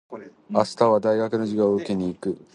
明日は大学の授業を受けに行きます。